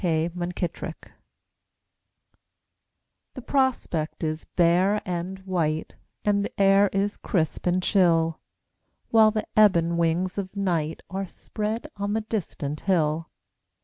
K. MUNKITTRICK The prospect is bare and white, And the air is crisp and chill; While the ebon wings of night Are spread on the distant hill.